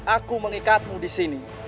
aku mengikatmu disini